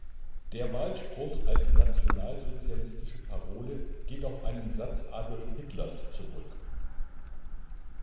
Der Wahlspruch als nationalsozialistische Parole geht auf einen Satz Adolf Hitlers zurück.